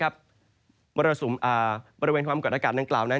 บริสุมบริเวณความเกิดอากาศนั้นกล่าวนั้น